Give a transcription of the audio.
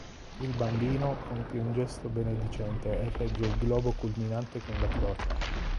Il Bambino compie un gesto benedicente e regge il globo culminante con la croce.